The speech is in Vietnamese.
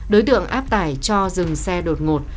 đối tượng áp tải cho dừng xe đột ngột